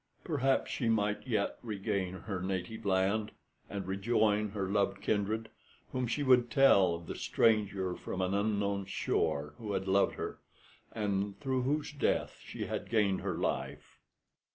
Perhaps she might yet regain her native land and rejoin her loved kindred, whom she would tell of the stranger from an unknown shore who had loved her, and through whose death she had gained her life.